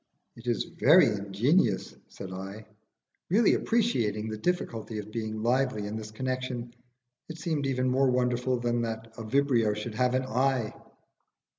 "It is very ingenious," said I, really appreciating the difficulty of being lively in this connection: it seemed even more wonderful than that a Vibrio should have an eye.